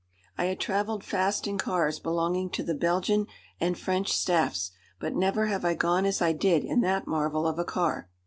I had travelled fast in cars belonging to the Belgian and French staffs, but never have I gone as I did in that marvel of a car.